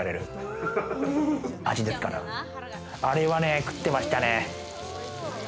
あれは食ってましたね。